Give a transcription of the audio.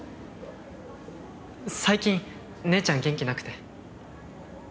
最近姉ちゃん元気なくて。